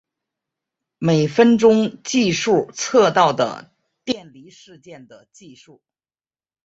每分钟计数测到的电离事件的计数。